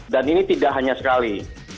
dan ini tidak hanya sekali